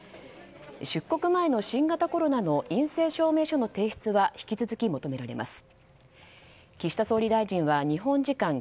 出国前の新型コロナの陰性証明書の提出は引き続き求められます。